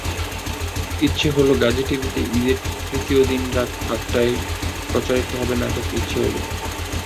ইচ্ছে হলোগাজী টিভিতে ঈদের তৃতীয় দিন রাত আটটায় প্রচারিত হবে নাটক ইচ্ছে হলো।